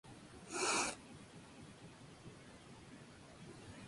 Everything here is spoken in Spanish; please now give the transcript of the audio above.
Stephen accede y le dice que suba al autobús.